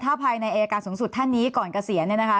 ถ้าภายในอายการสูงสุดท่านนี้ก่อนเกษียณเนี่ยนะคะ